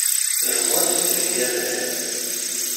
Iɣḍel-d fell-i adrar.